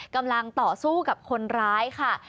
กำลังต่อสู้กับคนร้ายค่ะ